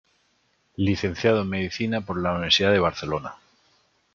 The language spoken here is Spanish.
Licenciado en Medicina por la Universidad de Barcelona.